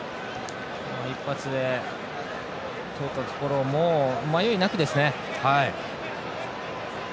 一発で通ったところを迷いなくですね。